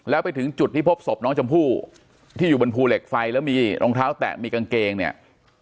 แล้วไปถึงจุดที่พบศพน้องชมพู่ที่อยู่บนภูเหล็กไฟแล้วมีรองเท้าแตะมีกางเกงเนี่ย